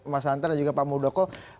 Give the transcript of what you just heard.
mas antara dan pak muldoko